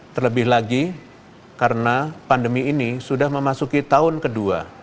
terlebih lagi karena pandemi ini sudah memasuki tahun kedua